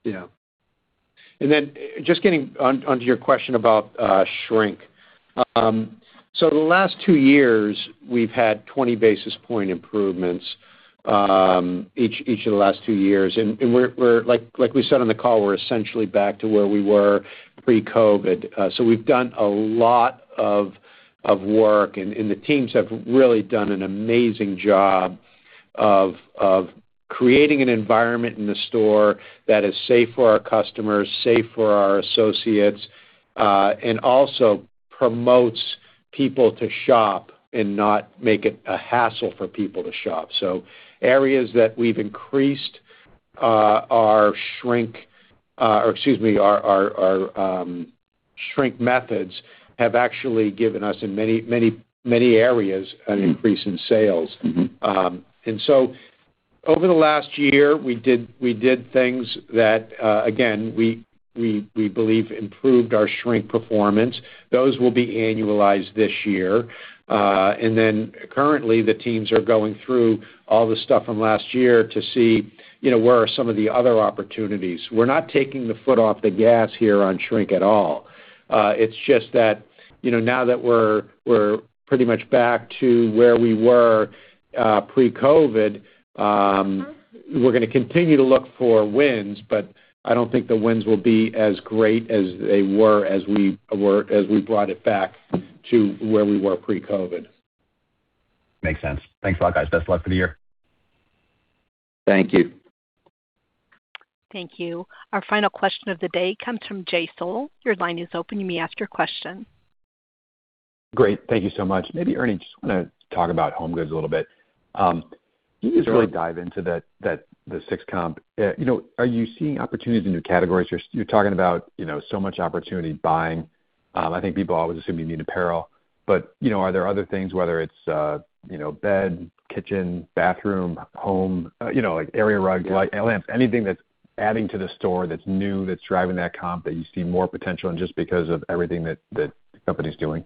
Yeah. Just getting on to your question about shrink. The last two years, we've had 20 basis point improvements, each of the last two years. We're like we said on the call, we're essentially back to where we were pre-COVID. We've done a lot of work, and the teams have really done an amazing job of creating an environment in the store that is safe for our customers, safe for our associates, and also promotes people to shop and not make it a hassle for people to shop. Areas that we've increased our shrink, excuse me, our shrink methods have actually given us, in many, many areas, an increase in sales. Mm-hmm. Over the last year, we did things that, again, we believe improved our shrink performance. Those will be annualized this year. Currently, the teams are going through all the stuff from last year to see, you know, where are some of the other opportunities. We're not taking the foot off the gas here on shrink at all. It's just that, you know, now that we're pretty much back to where we were, pre-COVID, we're gonna continue to look for wins, but I don't think the wins will be as great as they were, as we brought it back to where we were pre-COVID. Makes sense. Thanks a lot, guys. Best of luck for the year. Thank you. Thank you. Our final question of the day comes from Jay Sole. Your line is open. You may ask your question. Great. Thank you so much. Maybe, Ernie, just wanna talk about HomeGoods a little bit. Can you just really dive into that, the sixth comp? You know, are you seeing opportunities in new categories? You're talking about, you know, so much opportunity buying. I think people always assume you mean apparel, but, you know, are there other things, whether it's, you know, bed, kitchen, bathroom, home, you know, like area rug, light, and lamps, anything that's adding to the store that's new, that's driving that comp, that you see more potential in, just because of everything that the company's doing?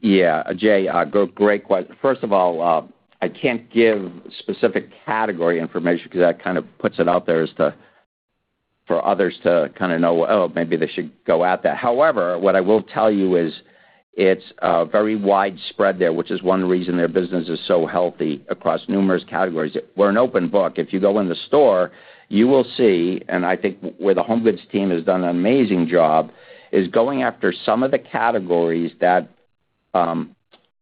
Yeah, Jay. First of all, I can't give specific category information because that kind of puts it out there as to for others to kinda know, oh, maybe they should go at that. However, what I will tell you is it's very widespread there, which is one reason their business is so healthy across numerous categories. We're an open book. If you go in the store, you will see, and I think where the HomeGoods team has done an amazing job, is going after some of the categories that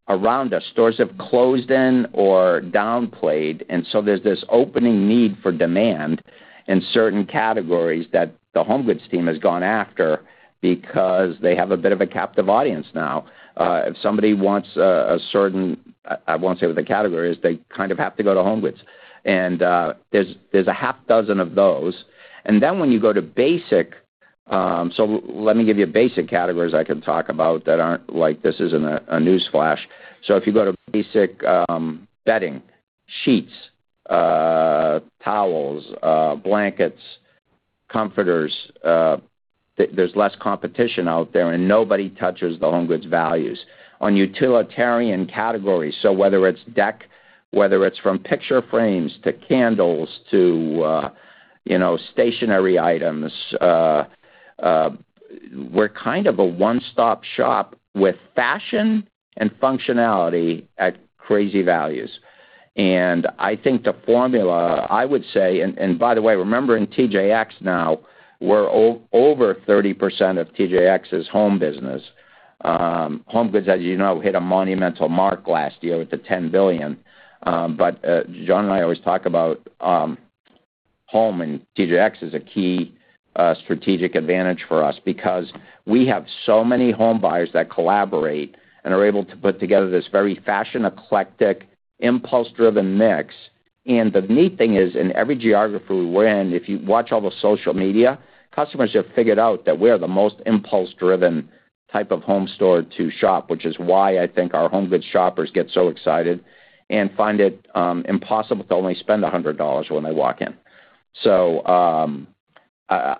around us, stores have closed in or downplayed. There's this opening need for demand in certain categories that the HomeGoods team has gone after because they have a bit of a captive audience now. If somebody wants a certain, I won't say what the category is, they kind of have to go to HomeGoods. There's a half dozen of those. When you go to basic, so let me give you basic categories I can talk about that aren't like this isn't a newsflash. If you go to basic, bedding, sheets, towels, blankets, comforters, there's less competition out there, and nobody touches the HomeGoods values. On utilitarian categories, so whether it's deck, whether it's from picture frames, to candles, to, you know, stationery items, we're kind of a one-stop shop with fashion and functionality at crazy values. I think the formula, I would say. By the way, remembering TJX now, we're over 30% of TJX's home business. HomeGoods, as you know, hit a monumental mark last year with the $10 billion. John and I always talk about home, and TJX is a key strategic advantage for us because we have so many home buyers that collaborate and are able to put together this very fashion, eclectic, impulse-driven mix. The neat thing is, in every geography we're in, if you watch all the social media, customers have figured out that we are the most impulse-driven type of home store to shop, which is why I think our HomeGoods shoppers get so excited and find it impossible to only spend $100 when they walk in.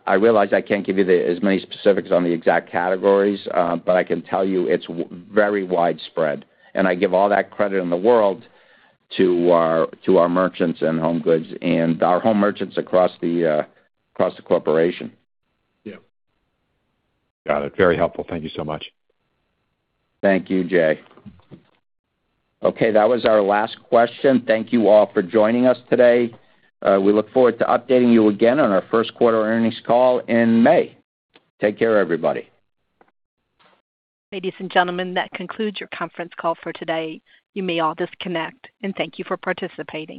I realize I can't give you the, as many specifics on the exact categories, but I can tell you it's very widespread, and I give all that credit in the world to our merchants and HomeGoods and our home merchants across the corporation. Yeah. Got it. Very helpful. Thank you so much. Thank you, Jay. Okay, that was our last question. Thank you all for joining us today. We look forward to updating you again on our Q1 earnings call in May. Take care, everybody. Ladies and gentlemen, that concludes your conference call for today. You may all disconnect, and thank you for participating.